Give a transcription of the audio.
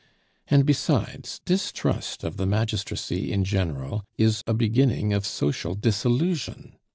And besides, distrust of the magistracy in general is a beginning of social dissolution.